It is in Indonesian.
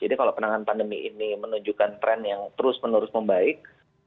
jadi kalau penanganan pandemi ini menunjukkan trend yang terus menerus membaik